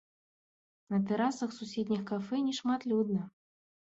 На тэрасах суседніх кафэ нешматлюдна.